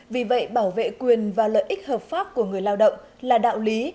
vì vậy bảo vệ quyền và lợi ích hợp pháp của người lao động là đạo lý